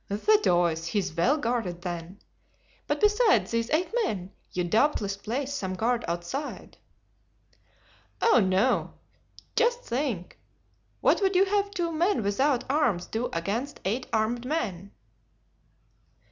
"The deuce, he is well guarded, then. But besides these eight men, you doubtless place some guard outside?" "Oh, no! Just think. What would you have two men without arms do against eight armed men?"